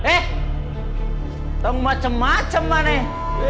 eh temen macem macem mah nih